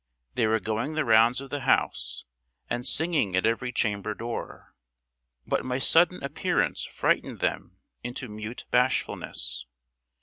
They were going the rounds of the house, and singing at every chamber door; but my sudden appearance frightened them into mute bashfulness.